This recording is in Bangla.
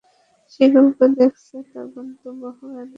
যে ঈগলকে দেখেছে, তার গন্তব্য হবে আলাদা।